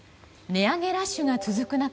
値上げラッシュが続く中